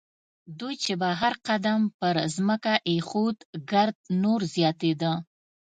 دوی چې به هر قدم پر ځمکه اېښود ګرد نور زیاتېده.